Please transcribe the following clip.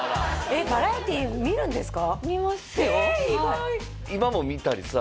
バラエティ見るんですか？